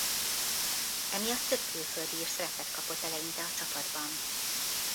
Emiatt több külföldi is szerepet kapott eleinte a csapatban.